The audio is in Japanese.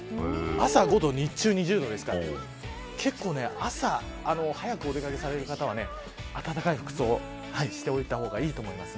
朝５度、日中２０度ですから朝早くお出掛けされる方は暖かい服装をしておいた方がいいと思います。